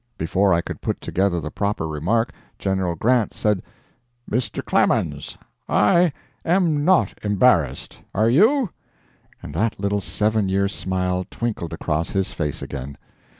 Before I could put together the proper remark, General Grant said "Mr. Clemens, I am not embarrassed. Are you?" and that little seven year smile twinkled across his face again.